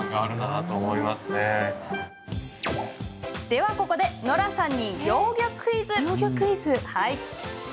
では、ここでノラさんに幼魚クイズ！